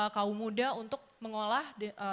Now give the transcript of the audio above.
kaumuda untuk mengolah